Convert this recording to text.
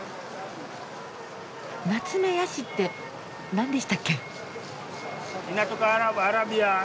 ナツメヤシって何でしたっけ？